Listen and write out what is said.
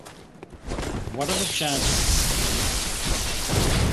What are the chances?